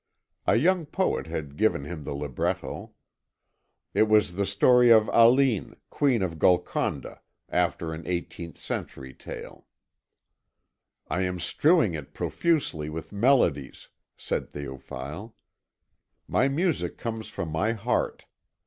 A young poet had given him the libretto. It was the story of Aline, queen of Golconda, after an eighteenth century tale. "I am strewing it profusely with melodies," said Théophile; "my music comes from my heart.